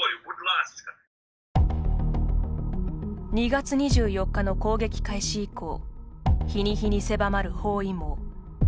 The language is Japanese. ２月２４日の攻撃開始以降日に日に狭まる包囲網。